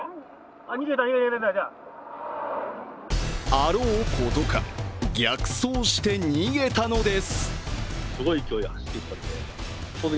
あろうことか逆走して逃げたのです。